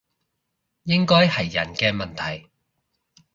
應該係人嘅問題